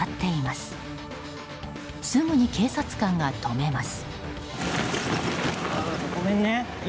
すぐに警察官が止めます。